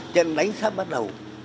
chân đánh sắp bắt đầu